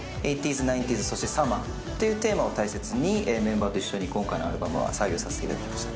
８０ズ、９０ズそしてサマーっていうテーマを大切に、メンバーと一緒に今回のアルバムは作業させていただきました。